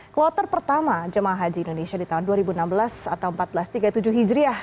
kloter pertama jemaah haji indonesia di tahun dua ribu enam belas atau seribu empat ratus tiga puluh tujuh hijriah